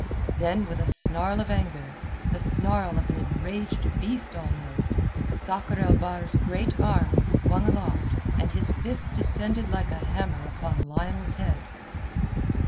Then with a snarl of anger, the snarl of an enraged beast almost, Sakr el Bahr's great arm was swung aloft and his fist descended like a hammer upon Lionel's head.